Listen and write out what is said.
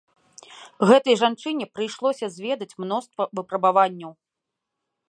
Гэтай жанчыне прыйшлося зведаць мноства выпрабаванняў.